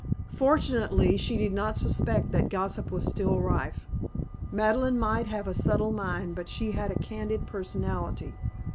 Fortunately she did not suspect that gossip was still rife. Madeleine might have a subtle mind but she had a candid personality.